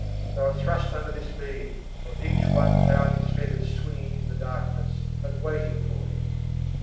They were thrust under this beam, where each one found his fetters swinging in the darkness and waiting for him.